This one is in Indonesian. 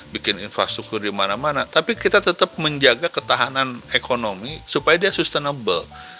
bikin infrastruktur di mana mana tapi kita tetap menjaga ketahanan ekonomi supaya dia sustainable